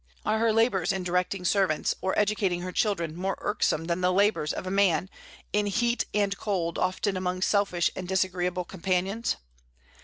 Are her labors in directing servants or educating her children more irksome than the labors of a man, in heat and cold, often among selfish and disagreeable companions?